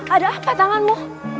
ada apa tanganmu